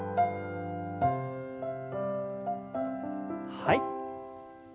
はい。